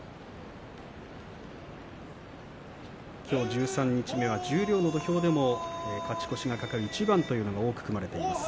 十三日目、十両の土俵でも勝ち越しが懸かる一番が多く組まれています。